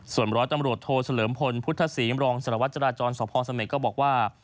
ส่วนร้อยตำรวจโทเฉลิมพลพุทธศรีมรองสารวัตรจราจรสพเสม็ดก็บอกว่า